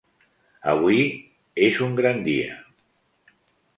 Avui és un gran dia.